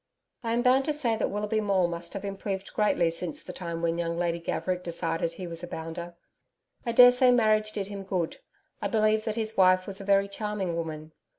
I am bound to say that Willoughby Maule must have improved greatly since the time when young Lady Gaverick decided he was a 'bounder.' I daresay marriage did him good. I believe that his wife was a very charming woman.